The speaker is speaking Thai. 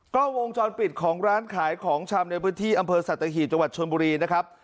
ก็วงจรปิดของร้านขายของชำในพื้นที่อำเภอสัตหีบจังหวัดชนบุรีนะครับ